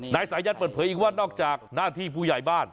นายสายันเปิดเผยอีกว่านอกจากหน้าที่ผู้ใหญ่บ้าน